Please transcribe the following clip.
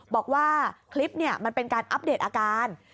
บอกว่าคลิปมันเป็นการอัปเดตอาการ